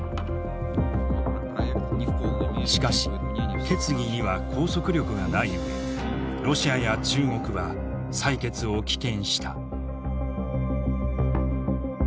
しかし決議には拘束力がない上ロシアや中国は採決を棄権した。